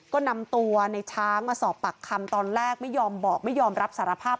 ก็นำตัวในช้างมาสอบปากคำตอนแรกไม่ยอมบอกไม่ยอมรับสารภาพ